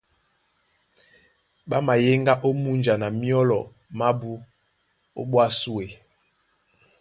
Ɓá mayéŋgá ó múnja na myɔ́lɔ mábū ó ɓwá súe.